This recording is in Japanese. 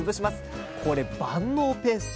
これ万能ペースト。